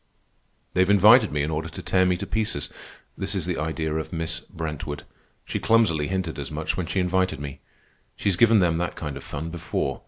"They've invited me in order to tear me to pieces. This is the idea of Miss Brentwood. She clumsily hinted as much when she invited me. She's given them that kind of fun before.